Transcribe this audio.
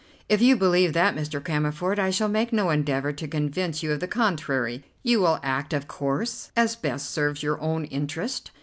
"If you believe that, Mr. Cammerford, I shall make no endeavour to convince you of the contrary. You will act, of course, as best serves your own interest.